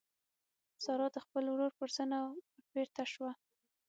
سارا د خپل ورور پر زنه وربېرته شوه.